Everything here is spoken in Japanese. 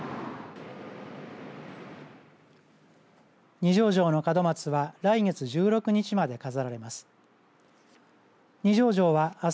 二条城の門松は来月１６日まで飾られます。